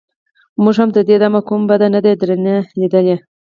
موږ هم تر دې دمه کوم بد نه دي درنه ليدلي.